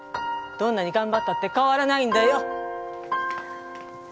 どんなにがんばったって変わらないんだよ！